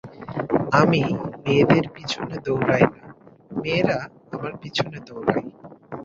আমি মেয়েদের পিছনে দৌড়াই না, মেয়েরা আমার পিছনে দৌড়ায়।